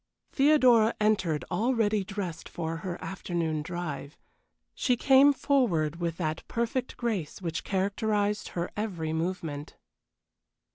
Theodora entered already dressed for her afternoon drive. She came forward with that perfect grace which characterized her every movement.